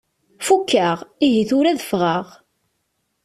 Fukkeɣ, ihi tura ad ffɣeɣ.